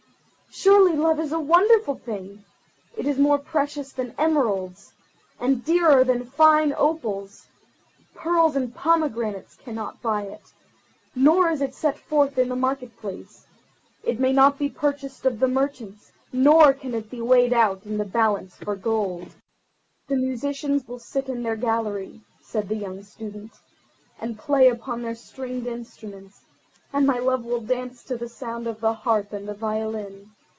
Surely Love is a wonderful thing. It is more precious than emeralds, and dearer than fine opals. Pearls and pomegranates cannot buy it, nor is it set forth in the marketplace. It may not be purchased of the merchants, nor can it be weighed out in the balance for gold." "The musicians will sit in their gallery," said the young Student, "and play upon their stringed instruments, and my love will dance to the sound of the harp and the violin.